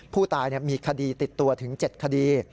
ผู้ตายมีคดีติดตัวถึง๗คดี